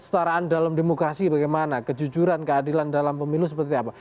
kestaraan dalam demokrasi bagaimana kejujuran keadilan dalam pemilu seperti apa